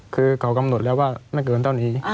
คือเขากำหนดแล้วว่าไม่เกินเท่านี้